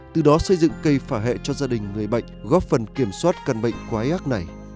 từ đó xây dựng cây phả hệ cho gia đình người bệnh góp phần kiểm soát căn bệnh quái ác này